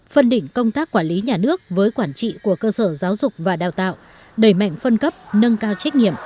phân định công tác quản lý nhà nước với quản trị của cơ sở giáo dục và đào tạo đẩy mạnh phân cấp nâng cao trách nhiệm